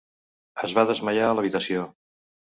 Es va desmaiar a l'habitació.